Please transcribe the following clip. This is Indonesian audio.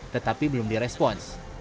tetapi belum direspon